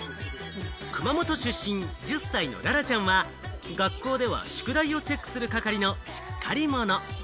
熊本出身、１０歳のららちゃんは、学校では宿題をチェックする係のしっかり者。